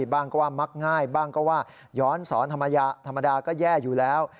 บ้างก็ว่ามักง่ายบ้างก็ว่าย้อนสอนธรรมดาก็แย่อยู่แล้ว